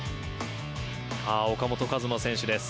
岡本和真選手です。